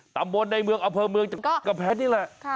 ต่ำบนในเมืองอเภอเมืองจังหวัดกะแพงเพชรนี่แหละ